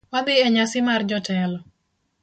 Wadhi enyasi mar jotelo